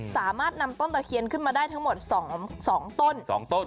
สามารถนำต้นตะเคียนขึ้นมาได้ทั้งหมดสองสองต้นสองต้น